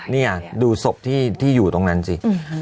นี่ดูศพที่อยู่ตรงนั้นสิ